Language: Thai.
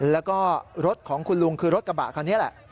แล้วก็รถของคุณลุงคือรถกระบะคันนี้แหละ